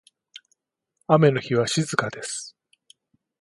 雨の日は静かです。